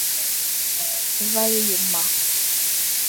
Vale ye ma.